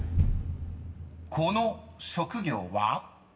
［この職業は？］